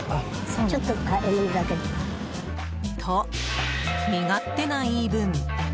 と、身勝手な言い分。